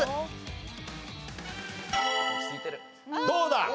どうだ？